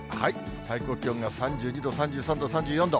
最高気温が３２度、３３度、３４度。